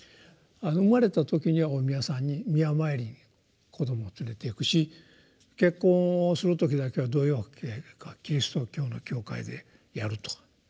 生まれた時にはお宮さんにお宮参りに子どもを連れていくし結婚をする時だけはどういうわけかキリスト教の教会でやると。